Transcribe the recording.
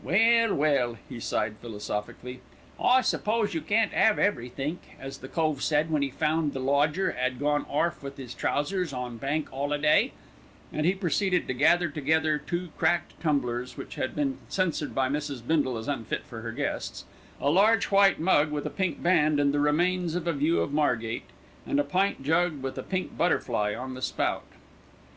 "Well, well!" he sighed philosophically, "I suppose you can't 'ave everythink, as the cove said when 'e found the lodger 'ad gone orf with 'is trousers on Bank 'Oliday," and he proceeded to gather together two cracked tumblers, which had been censored by Mrs. Bindle as unfit for her guests, a large white mug, with a pink band and the remains of a view of Margate, and a pint jug with a pink butterfly on the spout.